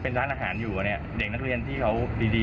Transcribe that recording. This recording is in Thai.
เป็นอะไรขึ้นมามันไม่คุ้มค่ะ